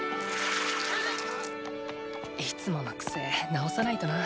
いつものクセ直さないとな。